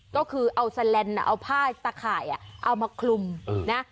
ก็คือเอาแลนด์เอาผ้าตะข่ายเอามาคลุมนะ